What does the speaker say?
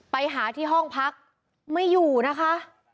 ไปหาที่ห้องพักไม่อยู่นะคะ